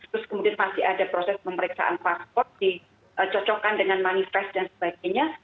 terus kemudian masih ada proses pemeriksaan pasport dicocokkan dengan manifest dan sebagainya